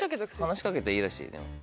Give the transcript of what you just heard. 話しかけていいらしいでも。